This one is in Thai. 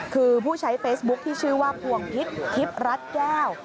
คือผู้ใช้เฟซบุ๊คที่ชื่อว่าพวงพิษทิพย์รัฐแก้ว